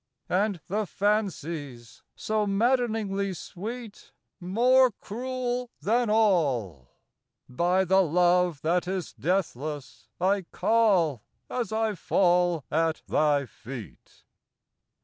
And the fancies, so maddeningly sweet, More cruel than all :— By the love that is deathless I call As I fall at thy feet."